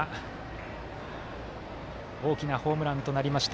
大きなホームランとなりました